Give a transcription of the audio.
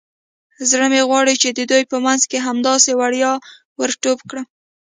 زړه مې غواړي د دوی په منځ کې همداسې وړیا ور ټوپ کړم.